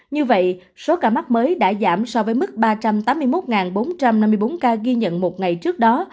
như vậy số ca mắc mới đã giảm so với mức ba trăm tám mươi một bốn trăm năm mươi bốn ca ghi nhận một ngày trước đó